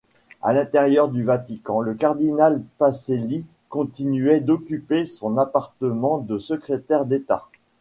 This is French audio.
À l'intérieur du Vatican, le cardinal Pacelli continuait d'occuper son appartement de secrétaire d’État.